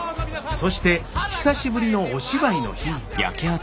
そして久しぶりのお芝居の日。